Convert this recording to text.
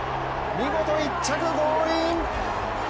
見事１着、ゴールイン！